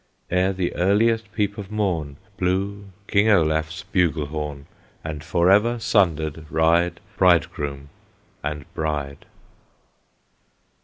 Ere the earliest peep of morn Blew King Olaf's bugle horn; And forever sundered ride Bridegroom and bride!